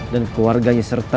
dan keluarganya serta